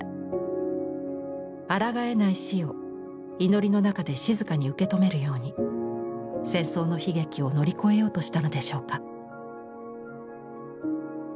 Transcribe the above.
あらがえない死を祈りの中で静かに受け止めるように戦争の悲劇を乗り越えようとしたのでしょうか。